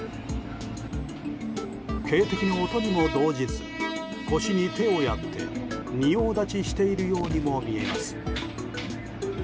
警笛の音にも動じず腰に手をやって仁王立ちしているようにも見えます。